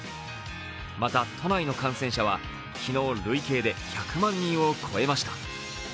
また都内の感染者は昨日累計で１００万人を超えました。